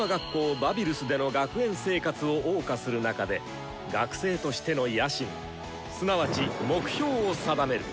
バビルスでの学園生活をおう歌する中で学生としての野心すなわち目標を定める。